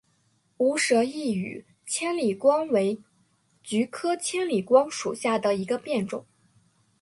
无舌异羽千里光为菊科千里光属下的一个变种。